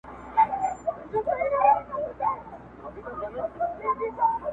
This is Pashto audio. اور او اوبه یې د تیارې او د رڼا لوري,